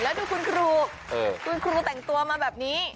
แล้วดูคุณครูคุณครูแต่งตัวมาแบบนี้